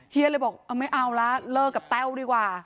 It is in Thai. เฮียเลยบอกไม่เอาละเลิกกับแต้วดีกว่า